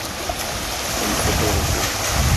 je ne sais pa grand-chose.